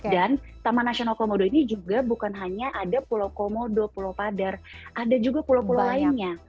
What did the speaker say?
dan taman nasional komodo ini juga bukan hanya ada pulau komodo pulau padar ada juga pulau pulau lainnya